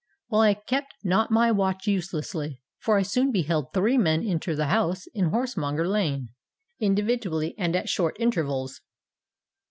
Well, I kept not my watch uselessly; for I soon beheld three men enter the house in Horsemonger Lane, individually and at short intervals.